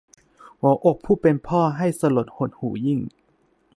หัวอกผู้เป็นพ่อให้สลดหดหู่ยิ่ง